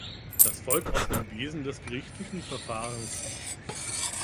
Das folgt aus dem Wesen des gerichtlichen Verfahrens.